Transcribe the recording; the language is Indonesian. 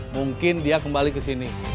mungkin dia kembali kesini